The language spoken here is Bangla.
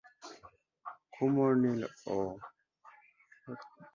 কোমর নীল এবং লেজউপরি-ঢাকনি ও ডানা নীলাভ-জলপাই।